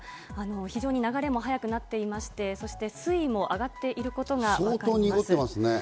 非常に流れも速くなっていまして、そして水位が上がっていることがわかります。